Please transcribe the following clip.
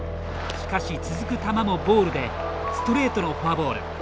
しかし続く球もボールでストレートのフォアボール。